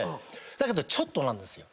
だけどちょっとなんですよ。